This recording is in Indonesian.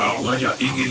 kau makin kuat